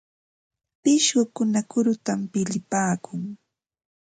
Pishqukuna kurutam palipaakun.